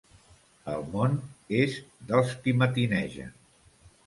El món és dels qui matinegen.